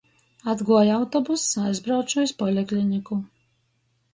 Atguoja autobuss, aizbrauču iz polikliniku.